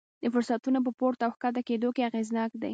د فرصتونو په پورته او ښکته کېدو کې اغېزناک دي.